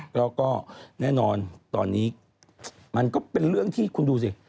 แล้วก็แน่นอนตอนนี้มันก็เป็นเรื่องที่คุณดูสิ